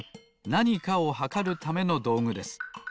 なにかをはかるためのどうぐです。